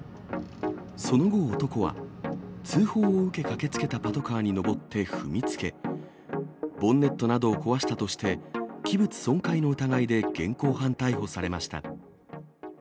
その後、男は、通報を受け駆けつけたパトカーに上って踏みつけ、ボンネットなどを壊したとして、器物損壊の疑いで現行犯逮捕されました。